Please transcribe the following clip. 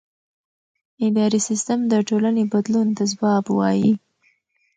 اداري سیستم د ټولنې بدلون ته ځواب وايي.